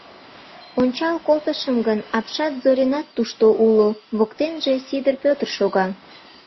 Ончал колтышым гын, апшат Зоринат тушто уло, воктенже Сидыр Петр шога.